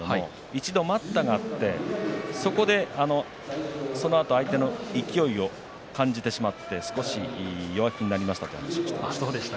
一度待ったがあってそこでそのあと相手の勢いを感じてしまって少し弱気になりました